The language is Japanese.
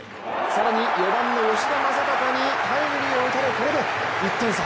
更に４番の吉田正尚にタイムリーを打たれ、これで１点差。